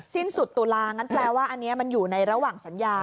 สิ้นสุดตุลางั้นแปลว่าอันนี้มันอยู่ในระหว่างสัญญา